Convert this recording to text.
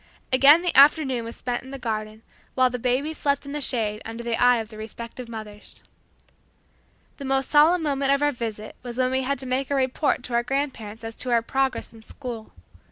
Again the afternoon was spent in the garden, while the babies slept in the shade under the eye of the respective mothers. The most solemn moment of our visit was when we had to make our report to our grandparents as to our progress in school.